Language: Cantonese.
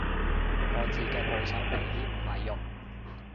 個字嘅部首明顯唔係肉